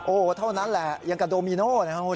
โอ้โหเท่านั้นแหละยังกับโดมิโน่นะครับคุณ